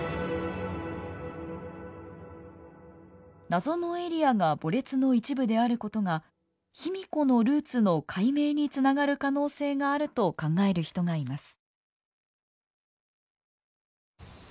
謎のエリアが墓列の一部であることが卑弥呼のルーツの解明につながる可能性があると考える人がいます。